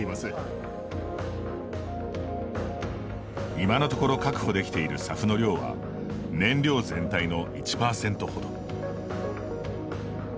今のところ確保できているＳＡＦの量は燃料全体の１％ほど。